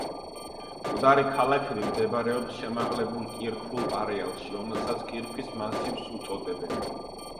მკვდარი ქალაქები მდებარეობს შემაღლებულ კირქვულ არეალში, რომელსაც კირქვის მასივს უწოდებენ.